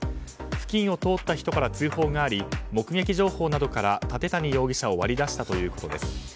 付近を通った人から通報があり目撃情報などから舘谷容疑者を割り出したということです。